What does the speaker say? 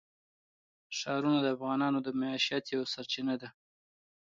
ښارونه د افغانانو د معیشت یوه سرچینه ده.